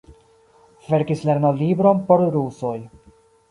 Verkis lernolibron por rusoj.